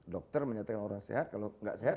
dokter menyatakan orang sehat kalau nggak sehat